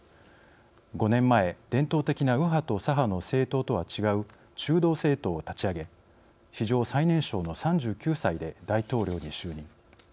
５年前、伝統的な右派と左派の政党とは違う中道政党を立ち上げ史上最年少の３９歳で大統領に就任。